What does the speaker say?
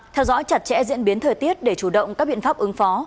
theo dõi chặt chẽ diễn biến thời tiết để chủ động các biện pháp ứng phó